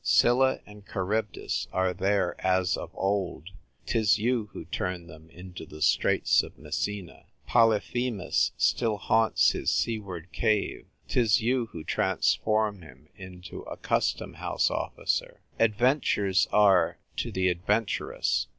Scylla and Charybdis are there as of old : 'tis you who turn them into the Straits of Messina. Polyphemus still haunts his seaward cave : 'tis you who transform him into a custom house officer. Adventures are to the ad venturous.